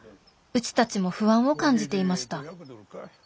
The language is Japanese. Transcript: うちたちも不安を感じていました